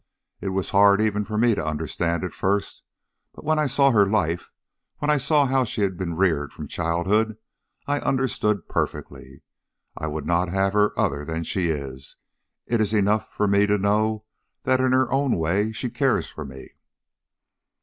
It was hard even for me to understand at first; but when I saw her life, when I saw how she had been reared from childhood, I understood perfectly. I would not have her other than she is; it is enough for me to know that in her own way she cares for me."